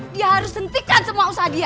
dia harus hentikan semua usaha dia